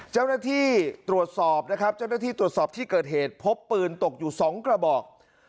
เจ้าหน้าที่ตรวจสอบที่เกิดเหตุพบปืนตกอยู่สองกระบอก